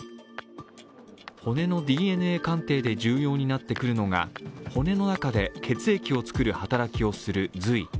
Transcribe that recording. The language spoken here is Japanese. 骨のＤＮＡ鑑定で重要になってくるのが骨の中で血液を作る働きをする髄。